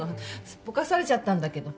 すっぽかされちゃったんだけど。